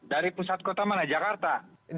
dari pusat kota mana jakarta